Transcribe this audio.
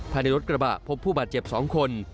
ภายในรถกระบะพบผู้บาดเจ็บ๒คน